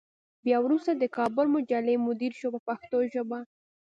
بیا وروسته د کابل مجلې مدیر شو په پښتو ژبه.